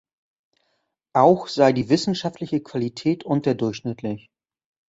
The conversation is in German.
Auch sei die wissenschaftliche Qualität „unterdurchschnittlich“.